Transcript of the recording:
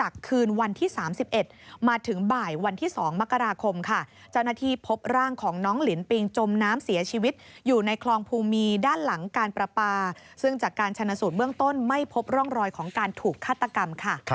การชนะสูตรเบื้องต้นไม่พบร่องรอยของการถูกฆาตกรรม